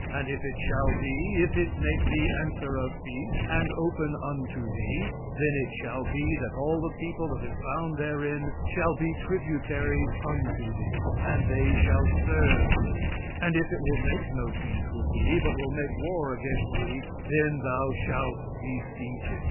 "And it shall be, if it make thee answer of peace, and open unto thee, then it shall be that all the people that is found therein shall be tributaries unto thee, and they shall serve thee. "And if it will make no peace with thee, but will make war against thee, then thou shalt besiege it.